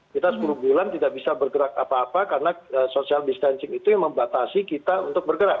kita sepuluh bulan tidak bisa bergerak apa apa karena social distancing itu yang membatasi kita untuk bergerak